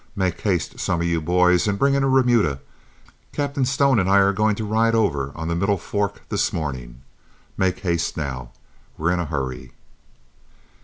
Make haste, some of you boys, and bring in a remuda; Captain Stone and I are going to ride over on the Middle Fork this morning. Make haste, now; we're in a hurry."